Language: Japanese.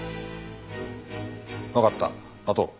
わかった待とう。